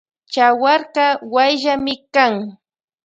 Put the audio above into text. Chawarka wayllami kan.